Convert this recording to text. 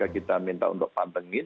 kita minta untuk pantengin